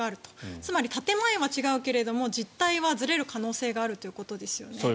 つまり、建前は違うけれど実態はずれる可能性があるということですよね。